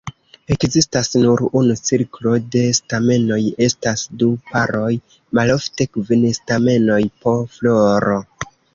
Ekzistas nur unu cirklo de stamenoj, estas du paroj, malofte kvin stamenoj po floro.